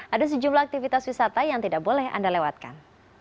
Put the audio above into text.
ada sejumlah aktivitas wisata yang tidak boleh anda lewatkan